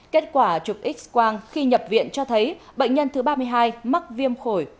kết quả chụp x quang khi nhập viện cho thấy bệnh nhân thứ ba mươi hai mắc viêm phổi